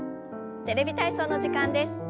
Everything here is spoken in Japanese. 「テレビ体操」の時間です。